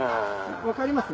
分かります？